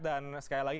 dan sekali lagi